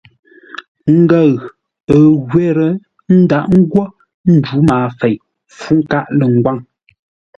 Ngəʉ ə́ ngwér ńdaghʼ ńgwó ńjǔ maafei-fú-nkâʼ-lə̂-ngwâŋ.